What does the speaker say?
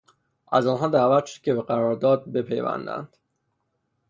از آنها دعوت شد که به قرارداد بپیوندند.